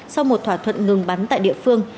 sau một thỏa thuận ngừng bắn tại địa phương